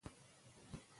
د لاس ټپ پاک بند کړئ.